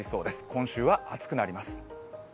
今週は暑くなります。